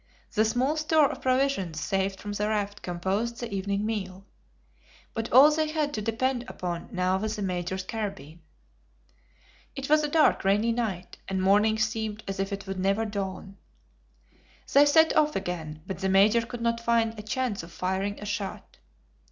The small store of provisions saved from the raft composed the evening meal. But all they had to depend upon now was the Major's carbine. It was a dark, rainy night, and morning seemed as if it would never dawn. They set off again, but the Major could not find a chance of firing a shot.